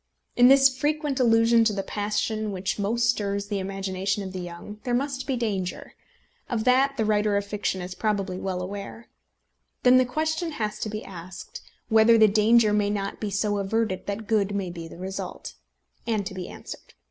In this frequent allusion to the passion which most stirs the imagination of the young, there must be danger. Of that the writer of fiction is probably well aware. Then the question has to be asked, whether the danger may not be so averted that good may be the result, and to be answered.